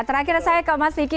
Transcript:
terakhir saya ke mas diki